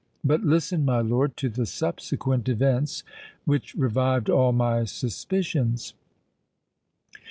But listen, my lord, to the subsequent events which revived all my suspicions.